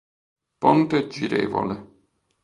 Ponte girevole